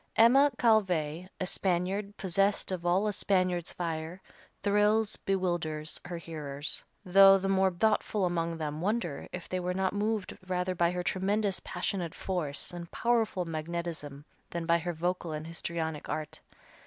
Emma Calvé, a Spaniard, possessed of all a Spaniard's fire, thrills, bewilders, her hearers, though the more thoughtful among them wonder if they were not moved rather by her tremendous passionate force and powerful magnetism than by her vocal and histrionic art.